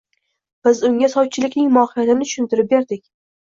Biz unga sovchilikning mohiyatini tushuntirib berdik.